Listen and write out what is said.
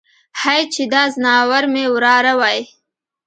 هی چې دا ځناور مې وراره وای.